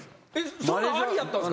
そんなんありやったんすか？